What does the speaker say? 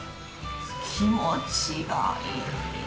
気持ちがいいな。